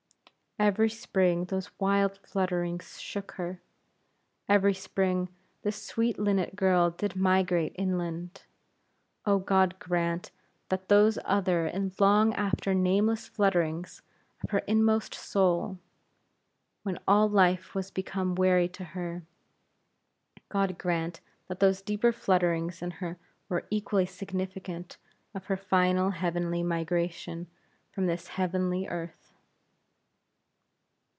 Every spring those wild flutterings shook her; every spring, this sweet linnet girl did migrate inland. Oh God grant that those other and long after nameless flutterings of her inmost soul, when all life was become weary to her God grant, that those deeper flutterings in her were equally significant of her final heavenly migration from this heavy earth.